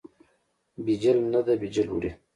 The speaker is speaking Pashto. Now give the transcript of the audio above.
بیجل نه ده، بیجل وړي.